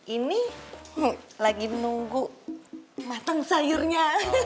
ini lagi nunggu matang sayurnya